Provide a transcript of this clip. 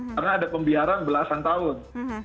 karena ada pembiaran belasan tahun